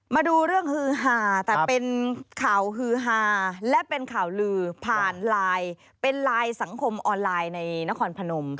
มาดูเรื่องฮือฮาแต่เป็นข่าวฮือฮาและเป็นข่าวลือผ่านไลน์เป็นไลน์สังคมออนไลน์ในนครพนม